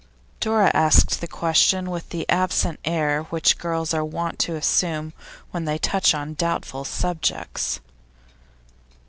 Dora asked the question with that absent air which girls are wont to assume when they touch on doubtful subjects.